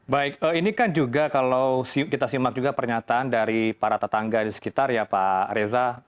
baik ini kan juga kalau kita simak juga pernyataan dari para tetangga di sekitar ya pak reza